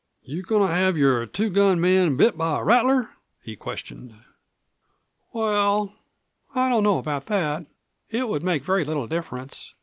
"You goin' to have your 'two gun' man bit by a rattler?" he questioned. "Well, I don't know about that. It would make very little difference.